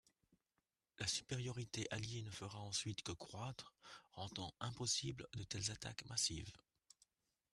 La supériorité alliée ne fera ensuite que croitre, rendant impossibles de telles attaques massives.